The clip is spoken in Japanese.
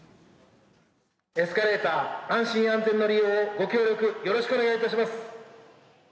エスカレーター、安心安全の利用をご協力よろしくお願いいたします。